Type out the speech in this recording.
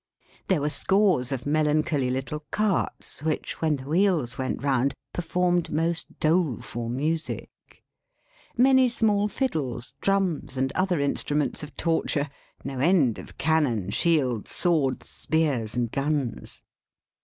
There were scores of melancholy little carts which, when the wheels went round, performed most doleful music. Many small fiddles, drums, and other instruments of torture; no end of cannon, shields, swords, spears, and guns.